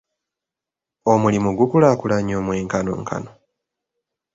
Omulimu gukulaakulanya omwenkanonkano?